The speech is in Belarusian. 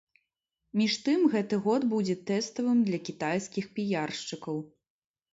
Між тым гэты год будзе тэставым для кітайскіх піяршчыкаў.